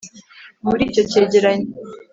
muri icyo cyegeranyo,